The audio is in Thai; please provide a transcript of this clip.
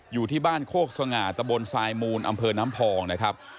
อยู่ที่บ้านโคกสง่าตะบนทรายมูลอำเภอน้ำพองนะครับ